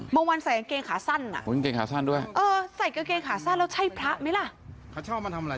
เมื่อวานใส่กางเกงขาสั้นใส่กางเกงขาสั้นแล้วใช่พระไหมล่ะ